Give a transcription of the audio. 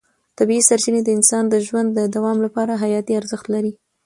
طبیعي سرچینې د انسان د ژوند د دوام لپاره حیاتي ارزښت لري.